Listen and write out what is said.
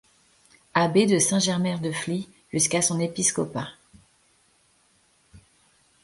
Abbé de Saint-Germer-de-Fly jusqu'à son épiscopat.